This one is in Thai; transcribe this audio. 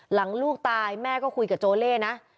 หลังลูกตายแม่ก็คุยกับโจเล่นะ